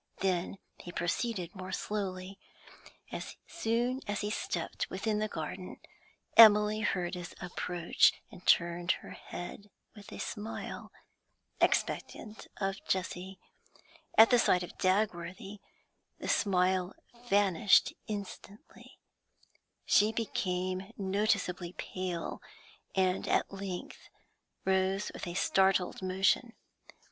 Then he proceeded more slowly. As soon as he stepped within the garden, Emily heard his approach, and turned her head with a smile, expectant of Jessie, At the sight of Dagworthy the smile vanished instantly, she became noticeably pale, and at length rose with a startled motion.